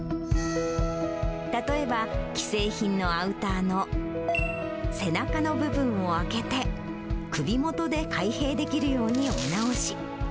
例えば、既製品のアウターの背中の部分を開けて、首元で開閉できるようにお直し。